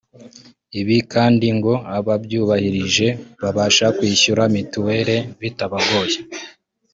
ibi kandi ngo ababyubahirije babasha kwishyura Mituweli bitabagoye